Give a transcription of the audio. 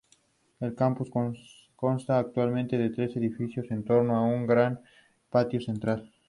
El Campus consta actualmente de tres edificios en torno a un gran patio central.